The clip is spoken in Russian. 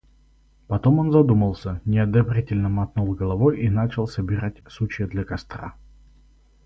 Потом он задумался, неодобрительно мотнул головой и начал собирать сучья для костра.